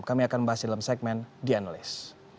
kami akan membahas dalam segmen dianalys